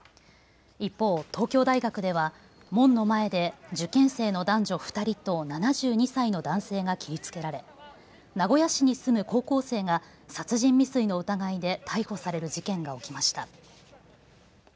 一方、東京大学では門の前で受験生の男女２人と７２歳の男性が切りつけられ、名古屋市に住む高校生が殺人未遂の疑いで逮捕される事件が起きました。